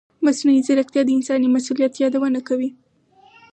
مصنوعي ځیرکتیا د انساني مسؤلیت یادونه کوي.